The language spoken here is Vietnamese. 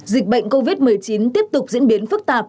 dịch bệnh covid một mươi chín tiếp tục diễn biến phức tạp